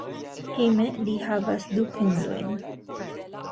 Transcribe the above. Hejme li havas du hundojn.